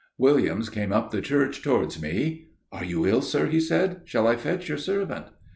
"Williams came up the church towards me. "'Are you ill, sir?' he said. 'Shall I fetch your servant?